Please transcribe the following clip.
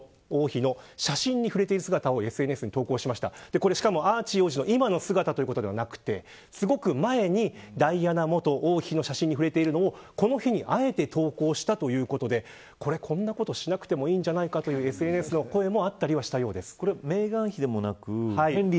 これはアーチー王子の今の姿ではなくてすごく前にダイアナ元妃の写真に触れているのをこの日に敢えて投稿したということでこんなことしなくてもいいんじゃないかというＳＮＳの声もあったそうです。